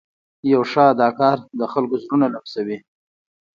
یو ښه اداکار د خلکو زړونه لمسوي.